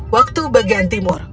waktu bagian timur